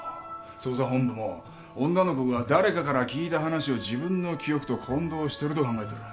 捜査本部も女の子が誰かから聞いた話を自分の記憶と混同してると考えてる。